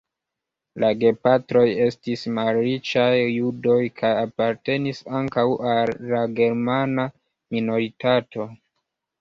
La gepatroj estis malriĉaj judoj kaj apartenis ankaŭ al la germana minoritato.